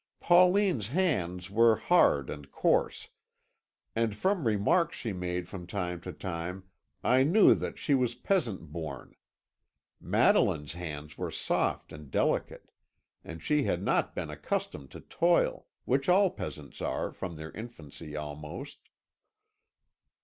Pauline's hands were hard and coarse; and from remarks she made from time to time I knew that she was peasant born. Madeline's hands were soft and delicate, and she had not been accustomed to toil, which all peasants are, from their infancy almost."